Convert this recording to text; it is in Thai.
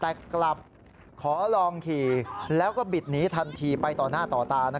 แต่กลับขอลองขี่แล้วก็บิดหนีทันทีไปต่อหน้าต่อตา